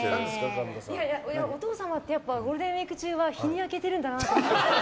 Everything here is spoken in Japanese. お父様ってゴールデンウィーク中は日に焼けているんだなって思って。